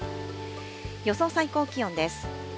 予想最高気温です。